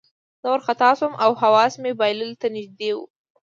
زه وارخطا شوم او حواس مې بایللو ته نږدې وو